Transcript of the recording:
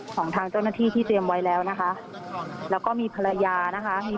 ของทางเจ้าหน้าที่ที่เตรียมไว้แล้วนะคะแล้วก็มีภรรยานะคะมี